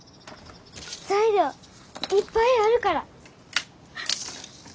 材料いっぱいあるから。